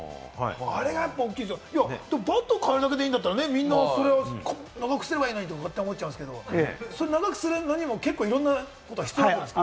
バッドを変えるだけでいいんだったら、みんな長くすればいいのにって思っちゃいますけれども、長くするのにも結構いろんなことが必要なんですか？